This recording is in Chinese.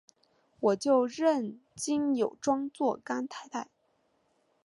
我就认金友庄做干太太！